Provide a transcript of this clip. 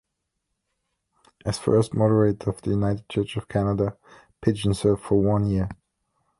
As first Moderator of the United Church of Canada, Pidgeon served for one year.